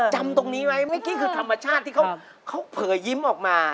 จำตรงนี้ไหมเมื่อกี้คือธรรมชาติที่เขาเผยยิ้มออกมา